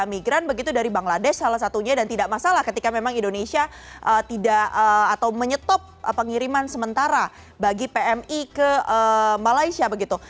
migran begitu dari bangladesh salah satunya dan tidak masalah ketika memang indonesia tidak atau menyetop pengiriman sementara bagi pmi ke malaysia begitu